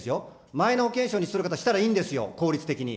マイナ保険証にする人したらいいんですよ、効率的に。